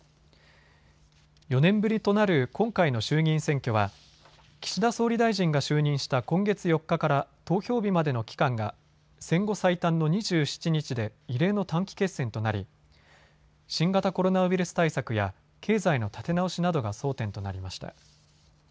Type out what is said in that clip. ４年ぶりとなる今回の衆議院選挙は岸田総理大臣が就任した今月４日から投票日までの期間が戦後最短の２７日で異例の短期決戦となり新型コロナウイルス対策や経済の立て直しなどが争点となりました。